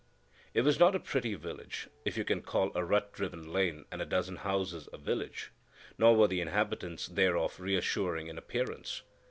It was not a pretty village,—if you can call a rut riven lane and a dozen houses a village,—nor were the inhabitants thereof reassuring in appearance.